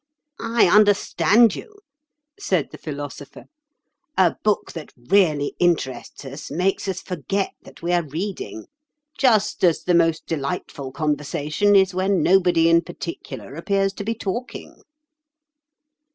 "I understand you," said the Philosopher. "A book that really interests us makes us forget that we are reading. Just as the most delightful conversation is when nobody in particular appears to be talking."